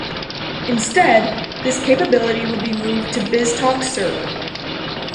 Instead, this capability would be moved to BizTalk Server.